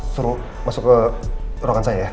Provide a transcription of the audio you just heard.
suruh masuk ke ruangan saya